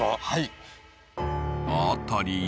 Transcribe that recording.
はい辺り